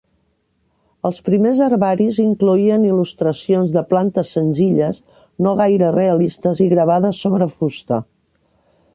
Els primers herbaris incloïen il·lustracions de plantes senzilles, no gaire realistes i gravades sobre fusta.